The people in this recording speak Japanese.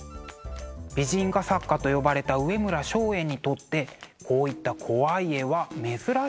美人画作家と呼ばれた上村松園にとってこういった怖い絵は珍しいのだそう。